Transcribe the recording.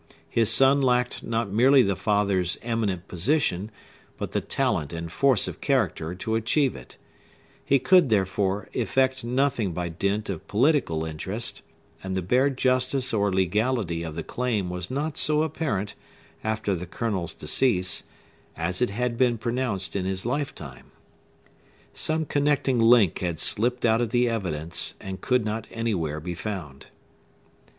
His son lacked not merely the father's eminent position, but the talent and force of character to achieve it: he could, therefore, effect nothing by dint of political interest; and the bare justice or legality of the claim was not so apparent, after the Colonel's decease, as it had been pronounced in his lifetime. Some connecting link had slipped out of the evidence, and could not anywhere be found.